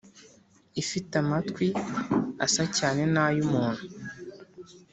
Ifite amatwi asa cyane n’ay’umuntu;